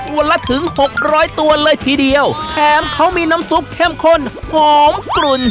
วันละถึงหกร้อยตัวเลยทีเดียวแถมเขามีน้ำซุปเข้มข้นหอมกลุ่น